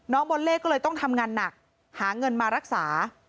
บอลเล่ก็เลยต้องทำงานหนักหาเงินมารักษา